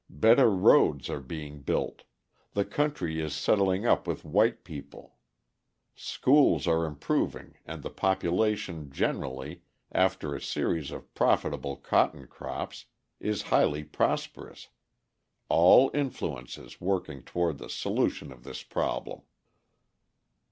Better roads are being built, the country is settling up with white people, schools are improving and the population generally, after a series of profitable cotton crops, is highly prosperous all influences working toward the solution of this problem.